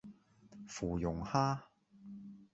芙蓉蝦